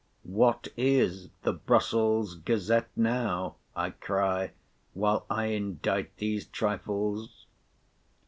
What is the Brussels' Gazette now? I cry, while I endite these trifles.